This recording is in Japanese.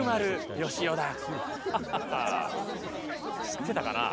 知ってたかな？